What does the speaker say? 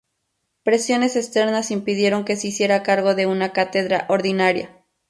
Presiones externas impidieron que se hiciera cargo de una cátedra ordinaria.